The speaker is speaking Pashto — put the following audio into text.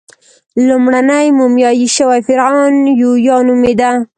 لومړنی مومیایي شوی فرعون یویا نومېده.